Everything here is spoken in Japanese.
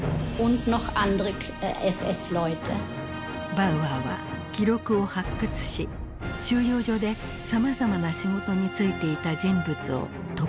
バウアーは記録を発掘し収容所でさまざまな仕事に就いていた人物を特定していく。